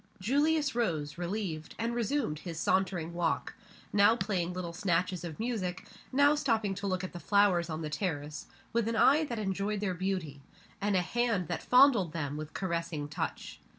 Julius rose, relieved, and resumed his sauntering walk; now playing little snatches of music, now stopping to look at the flowers on the terrace, with an eye that enjoyed their beauty, and a hand that fondled them with caressing touch.